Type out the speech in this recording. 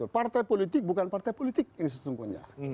partai politik bukan partai politik yang sesungguhnya